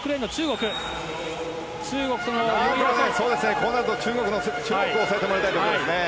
こうなると中国を抑えてもらいたいですね。